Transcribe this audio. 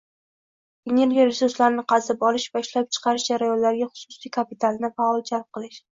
energiya resurslarini qazib olish va ishlab chiqarish jarayonlariga xususiy kapitalni faol jalb qilish